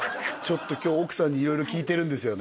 ちょっと今日奥さんに色々聞いてるんですよね？